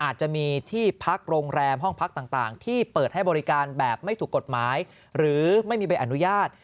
อาจจะมีที่พักโรงแรมห้องพักต่างที่เปิดให้บริการแบบไม่ถูกกฎหมายหรือไม่มีใบอนุญาต